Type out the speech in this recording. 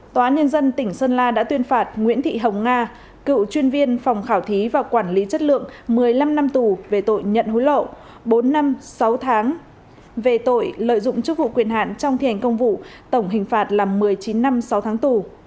tòa án nhân dân tỉnh sơn la đã tuyên phạt nguyễn thị hồng nga cựu chuyên viên phòng khảo thí và quản lý chất lượng một mươi năm năm tù về tội nhận hối lộ bốn năm sáu tháng về tội lợi dụng chức vụ quyền hạn trong thi hành công vụ tổng hình phạt là một mươi chín năm sáu tháng tù